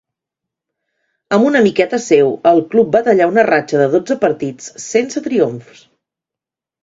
Amb una miqueta seu, el club va tallar una ratxa de dotze partits sense triomfs.